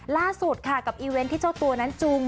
ล่าสุดกับอีเวนท์ที่เจ้าตัวจูมือว่า